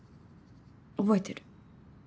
覚えてる。